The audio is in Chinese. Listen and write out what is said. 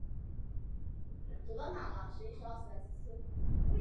吉隆红螯蛛为管巢蛛科红螯蛛属的动物。